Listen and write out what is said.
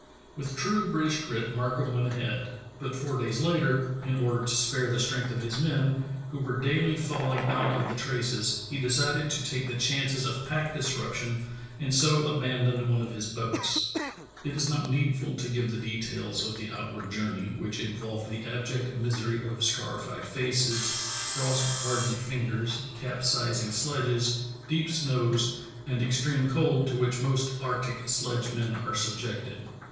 With true British grit Markham went ahead, but four days later, in order to spare the strength of his men, who were daily falling out of the traces, he decided to take the chances of pack disruption and so abandoned one of his boats. Parr's Lonely March 255 It is not needful to give the details of the outward journey, which involved the abject misery of scarified faces, frost hardened fingers, capsizing sledges, deep snows, and extreme cold to which most arctic sledge esf'w. «oPw. 83> *hlarkham Q3''20'N. Gr^at rroz, cn 5c a Great Frozen Sea and Robeson Channel. men are subjected.